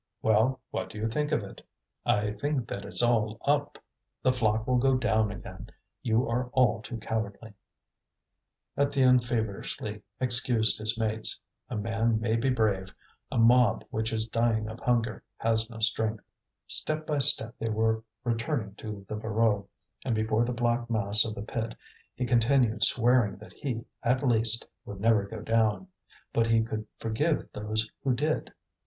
"Well, what do you think of it?" "I think that it's all up. The flock will go down again. You are all too cowardly." Étienne feverishly excused his mates: a man may be brave, a mob which is dying of hunger has no strength. Step by step they were returning to the Voreux; and before the black mass of the pit he continued swearing that he, at least, would never go down; but he could forgive those who did.